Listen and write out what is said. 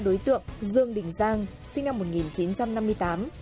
đối tượng dương đình giang sinh năm một nghìn chín trăm năm mươi tám